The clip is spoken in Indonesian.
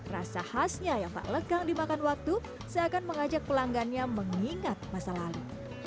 rasa khasnya yang tak lekang dimakan waktu seakan mengajak pelanggannya mengingat masa lalu